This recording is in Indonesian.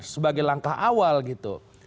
sebagai langkah awal gitu